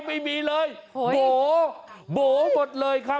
ไม่มีเลยโบ๋โบหมดเลยครับ